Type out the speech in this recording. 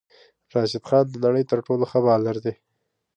راشد خان د نړی تر ټولو ښه بالر دی